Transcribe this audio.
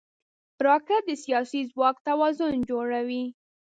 راکټ د سیاسي ځواک توازن جوړوي